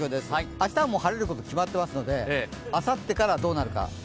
明日は晴れること決まってますので、あさってからどうなるか。